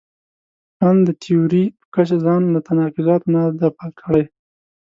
ان د تیوري په کچه ځان له تناقضاتو نه دی پاک کړی.